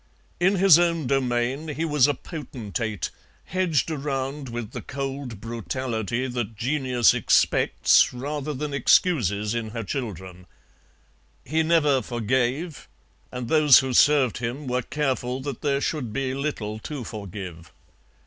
In his own domain he was a potentate, hedged around with the cold brutality that Genius expects rather than excuses in her children; he never forgave, and those who served him were careful that there should be little to forgive.